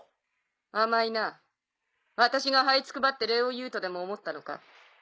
甘いな私がはいつくばって礼を言うとでも思ったのか？